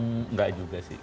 enggak juga sih